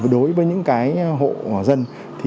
đối với những hộ dân